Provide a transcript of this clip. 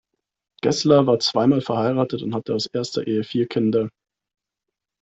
Geßler war zweimal verheiratet und hatte aus erster Ehe vier Kinder.